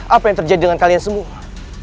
apa yang terjadi dengan kalian semua